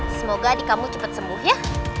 semoga adik kamu cepat sembuh ya